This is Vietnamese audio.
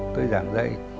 tôi giảng dạy